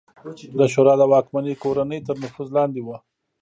دا شورا د واکمنې کورنۍ تر نفوذ لاندې وه